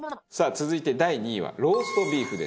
続いて第２位はローストビーフです。